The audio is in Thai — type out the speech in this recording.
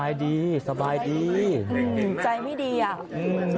แล้วน้องป่วยเป็นเด็กออทิสติกของโรงเรียนศูนย์การเรียนรู้พอดีจังหวัดเชียงใหม่นะคะ